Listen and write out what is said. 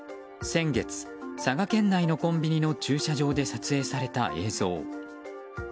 先月、佐賀県内のコンビニの駐車場で撮影された映像。